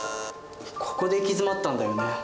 ここで行き詰まったんだよね。